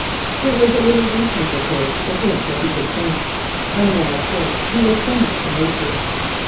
It was a little weakness of his to think that he could paint, and one of which he was somewhat tenacious.